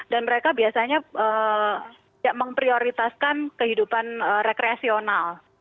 dan mereka biasanya memprioritaskan kehidupan rekreasional